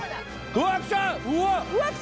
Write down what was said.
うわきた！